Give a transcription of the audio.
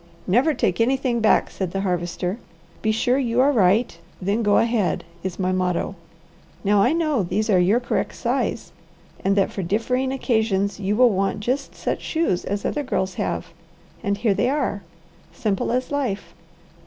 "Never take anything back," said the Harvester. "'Be sure you are right, then go ahead,' is my motto. Now I know these are your correct size and that for differing occasions you will want just such shoes as other girls have, and here they are. Simple as life!